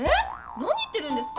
何言ってるんですか？